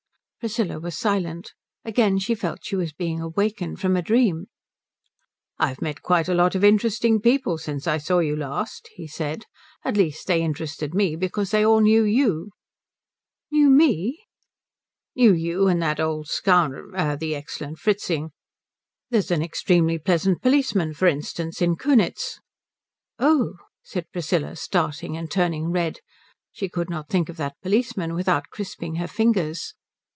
Priscilla was silent. Again she felt she was being awakened from a dream. "I've met quite a lot of interesting people since I saw you last," he said. "At least, they interested me because they all knew you." "Knew me?" "Knew you and that old scound the excellent Fritzing. There's an extremely pleasant policeman, for instance, in Kunitz " "Oh," said Priscilla, starting and turning red. She could not think of that policeman without crisping her fingers.